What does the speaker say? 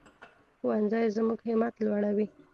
ښوونځی زموږ همت لوړوي